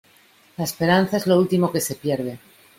La esperanza es lo último que se pierde.